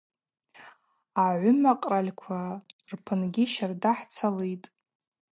Агӏвымакъральква рпынгьи щарда хӏцалитӏ.